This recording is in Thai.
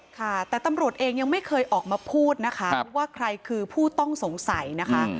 ค่ะแต่ตำรวจเองยังไม่เคยออกมาพูดนะคะว่าใครคือผู้ต้องสงสัยนะคะ